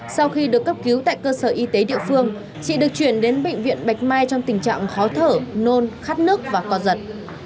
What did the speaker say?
sau khi được cấp cứu tại cơ sở y tế địa phương chị được chuyển đến bệnh viện bạch mai trong tình trạng khó thở nôn khát nước và co giật